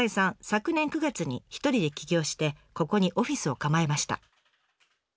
昨年９月に一人で起業してここにオフィスを構えました。